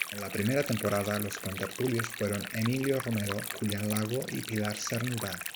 En la primera temporada los contertulios fueron Emilio Romero, Julián Lago y Pilar Cernuda.